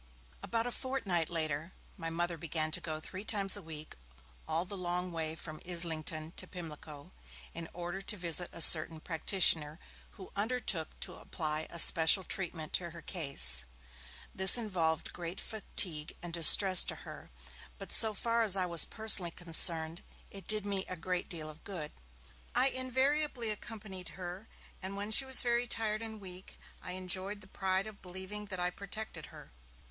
About a fortnight later, my Mother began to go three times a week all the long way from Islington to Pimlico, in order to visit a certain practitioner, who undertook to apply a special treatment to her case. This involved great fatigue and distress to her, but so far as I was personally concerned it did me a great deal of good. I invariably accompanied her, and when she was very tired and weak, I enjoyed the pride of believing that I protected her.